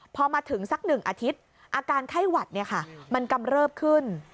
พอมาถึงสัก๑อาทิตย์อาการไข้หวัดมันกำเริบขึ้น